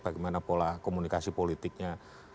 bagaimana pola komunikasi politiknya